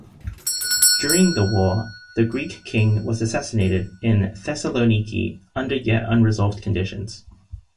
During the war, the Greek king was assassinated in Thessaloniki under yet unresolved conditions.